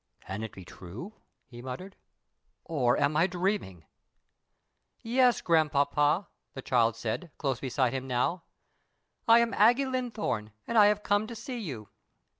"Can it be true," he muttered, "or am I dreaming?" "Yes, grandpapa," the child said, close beside him now, "I am Aggie Linthorne, and I have come to see you.